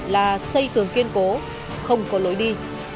là xây tường kiên cố không có lối đi